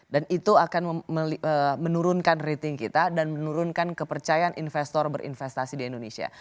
dan itu akan menurunkan rating kita dan menurunkan kepercayaan investor berinvestasi di indonesia